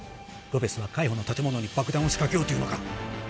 ロペスは海保の建物に爆弾を仕掛けようというのか？